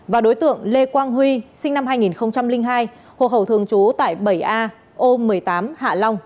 và đối tượng lê quang huy sinh năm hai nghìn hai hồ hậu thường trú tại bảy a ô một mươi tám hạ long